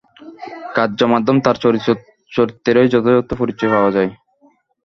কার্য-মাধ্যমে তার চরিত্রেরই যথার্থ পরিচয় পাওয়া যায়।